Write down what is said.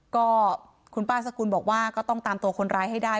ก็คุณป้าสกุลบอกว่าก็ต้องตามตัวคนร้ายให้ได้